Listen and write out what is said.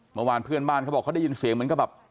เมื่อวานเพื่อนบ้านเขาบอกเขาได้ยินเสียงเหมือนก็แบบ